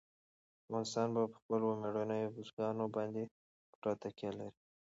افغانستان په خپلو مېړنیو بزګانو باندې پوره تکیه لري.